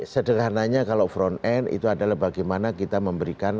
sederhananya kalau front end itu adalah bagaimana kita memberikan